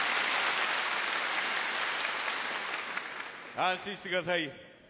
安心してください。